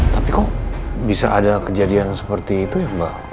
tapi kok bisa ada kejadian seperti itu ya mbak